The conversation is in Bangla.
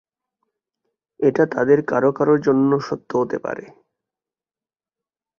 এটা তাদের কারো কারো জন্য সত্য হতে পারে।